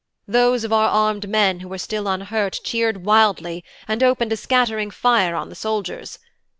Those of our armed men who were still unhurt cheered wildly and opened a scattering fire on the soldiers.